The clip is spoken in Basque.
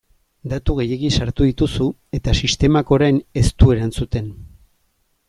Datu gehiegi sartu dituzu eta sistemak orain ez du erantzuten.